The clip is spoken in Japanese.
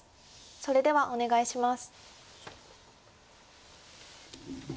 それではお願いします。